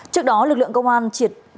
trước đó lực lượng công an triệt phá thành công